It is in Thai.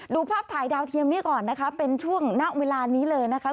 ดูภาพถ่ายดาวเทียมนี้ก่อนนะคะเป็นช่วงณเวลานี้เลยนะคะ